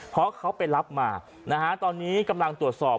เพราะเขาไปรับมานะฮะตอนนี้กำลังตรวจสอบ